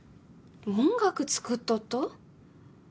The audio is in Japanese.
音楽作っとっと？